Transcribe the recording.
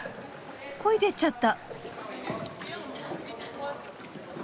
こいでっちゃった。